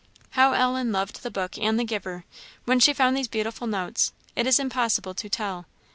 How Ellen loved the book and the giver, when she found these beautiful notes, it is impossible to tell.